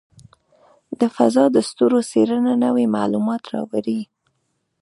د فضاء د ستورو څېړنه نوې معلومات راوړي.